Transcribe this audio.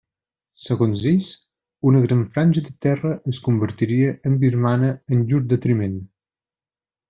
Segons ells, una gran franja de terra es convertiria en birmana en llur detriment.